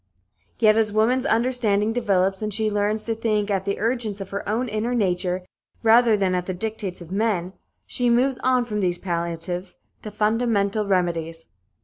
Yet as woman's understanding develops and she learns to think at the urgence of her own inner nature, rather than at the dictates of men, she moves on from these palliatives to fundamental remedies.